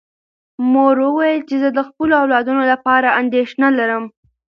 مور وویل چې زه د خپلو اولادونو لپاره اندېښنه لرم.